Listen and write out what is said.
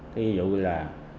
ví dụ là